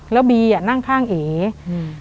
แล้วบีนั่งข้างเอ๊ะ